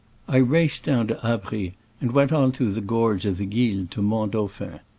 I raced down to Abries, and went on through the gorge of the Guil to Mont Dauphin.